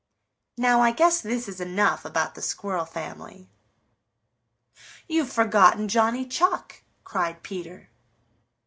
Now I guess this is enough about the Squirrel family." "You've forgotten Johnny Chuck," cried Peter.